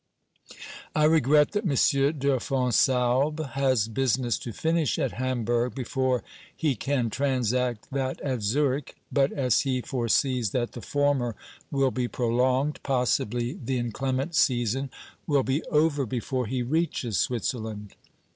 I regret that M. de Fonsalbe has business to finish at Hamburg before he can transact that at Zurich, but as he foresees that the former will be prolonged, possibly the in clement season will be over before he reaches Switzerland.